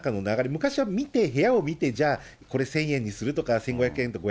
昔は見て、部屋を見て、じゃあ、これ１０００円にする？とか、１５００円とか。